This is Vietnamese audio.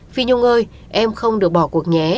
phi nhung ơi em không được bỏ cuộc nhé